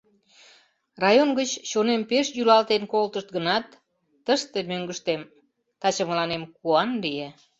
Район гыч чонем пеш йӱлатен колтышт гынат, тыште, мӧҥгыштем, таче мыланем куан лие.